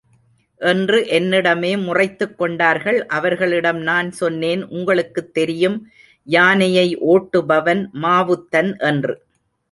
என்று என்னிடமே முறைத்துக் கொண்டார்கள், அவர்களிடம் நான் சொன்னேன் உங்களுக்குத் தெரியும் யானையை ஓட்டுபவன் மாவுத்தன் என்று.